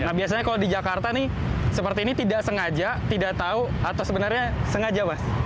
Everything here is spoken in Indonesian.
nah biasanya kalau di jakarta nih seperti ini tidak sengaja tidak tahu atau sebenarnya sengaja mas